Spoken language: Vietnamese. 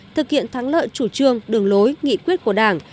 thực hiện thắng lợi chủ trương đường lối nghị quyết của đảng